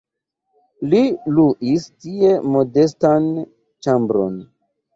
Li luis tie modestan ĉambron.